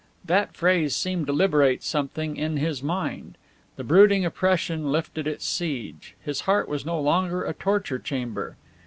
That phrase seemed to liberate something in his mind. The brooding oppression lifted its siege. His heart was no longer a torture chamber.